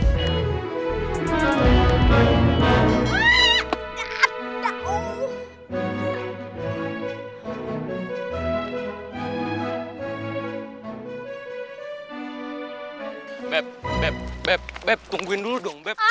beb beb beb tungguin dulu dong beb